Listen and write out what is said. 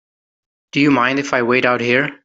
Do you mind if I wait out here?